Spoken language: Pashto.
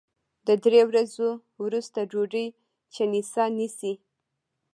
د درې ورځو وروسته ډوډۍ چڼېسه نیسي